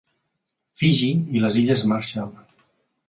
Fiji i les illes Marshall.